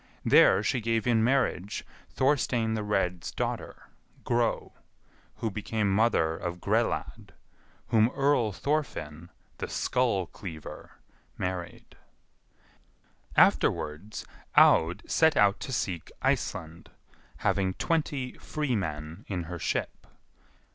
There she gave in marriage Thorstein the Red's daughter, Gro, who became mother of Grelad, whom Earl Thorfinn, the Skullcleaver, married. Afterwards Aud set out to seek Iceland, having twenty free men in her ship.